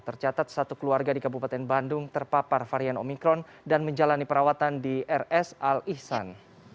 tercatat satu keluarga di kabupaten bandung terpapar varian omikron dan menjalani perawatan di rs al ihsan